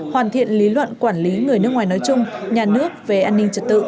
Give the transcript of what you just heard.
hoàn thiện lý luận quản lý người nước ngoài nói chung nhà nước về an ninh trật tự